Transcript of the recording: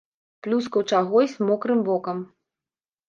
Плюскаў чагось мокрым вокам.